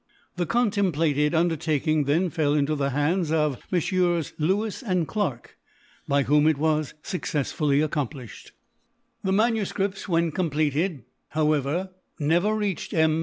The contemplated undertaking then fell into the hands of Messieurs Lewis and Clarke, by whom it was successfully accomplished. The MS. when completed, however, never reached M.